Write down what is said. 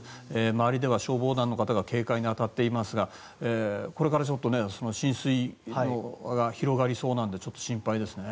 周りでは消防団の方が警戒に当たっていますがこれから浸水が広がりそうなのでちょっと心配ですね。